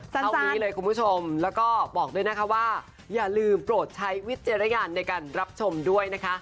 เท่านี้เลยคุณผู้ชมแล้วก็บอกด้วยนะคะว่าอย่าลืมโปรดใช้วิจารณญาณในการรับชมด้วยนะคะ